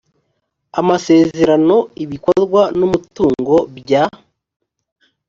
amasezerano ibikorwa n umutungo bya